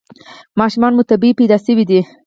ماشومان مو طبیعي پیدا شوي دي؟